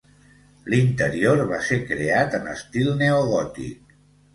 L'interior va ser creat en estil neogòtic.